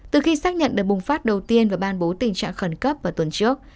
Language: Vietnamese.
từ khi xác nhận đợt bùng phát đầu tiên và ban bố tình trạng khẩn cấp vào tuần trước